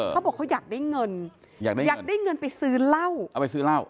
เขาบอกเขาอยากได้เงินอยากได้อยากได้เงินไปซื้อเหล้าเอาไปซื้อเหล้า